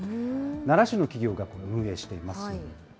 奈良市の企業が運営しています。